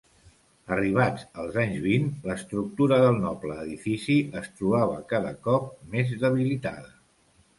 Arribats als anys vint, l’estructura del noble edifici es trobava cada cop més debilitada.